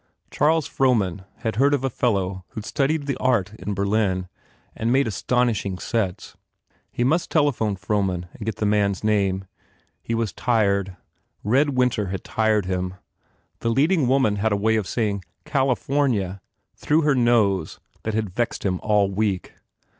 Charles Frohman had heard of a fellow who d studied the art in Berlin and made astonishing sets. He must telephone Frohman and get the man s name. He was tired. "Red Winter" had tired him. The leading woman had a way of 58 FULL BLOOM saying "California" through her nose that had vexed him all week.